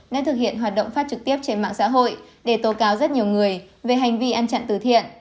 nên thực hiện hoạt động phát trực tiếp trên mạng xã hội để tố cáo rất nhiều người về hành vi ăn chặn từ thiện